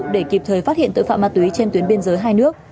để kịp thời phát hiện tội phạm ma túy trên tuyến biên giới hai nước